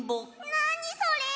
なにそれ！